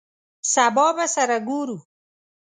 سبا به سره ګورو !